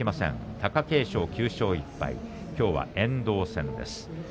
貴景勝、９勝１敗きょうは遠藤戦。